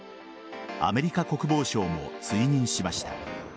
アメリカ国防省も追認しました。